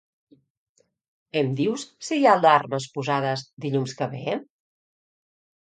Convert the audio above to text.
Em dius si hi ha alarmes posades dilluns que ve?